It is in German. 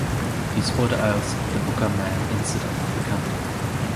Dies wurde als „The Booker Man Incident“ bekannt.